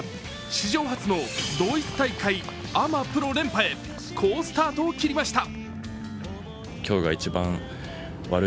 史上初の同一大会アマ・プロ連覇へ好スタートを切りました。